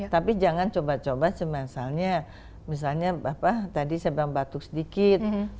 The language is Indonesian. tapi jangan coba coba semisalnya misalnya tadi saya batuk sedikit